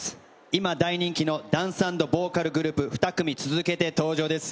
今大人気のダンス＆ボーカルグループが２組続けて登場です。